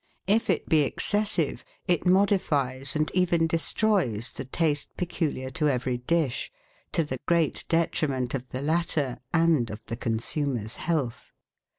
If it be excessive, it modifies and even destroys the taste peculiar to every dish — to the great detriment of the latter and of the consumer's health.